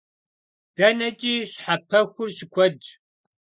ДэнэкӀи щхьэпэхур щыкуэдщ.